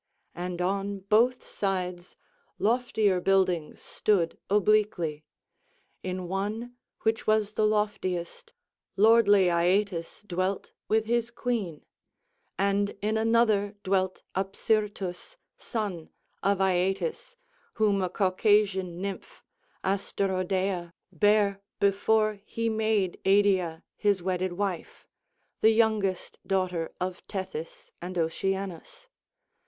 And on both sides loftier buildings stood obliquely. In one, which was the loftiest, lordly Aeetes dwelt with his queen; and in another dwelt Apsyrtus, son of Aeetes, whom a Caucasian nymph, Asterodeia, bare before he made Eidyia his wedded wife, the youngest daughter of Tethys and Oceanus.